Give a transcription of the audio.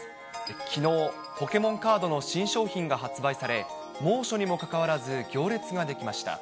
きのう、ポケモンカードの新商品が発売され、猛暑にもかかわらず行列が出来ました。